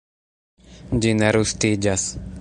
Ĝi ne rustiĝas.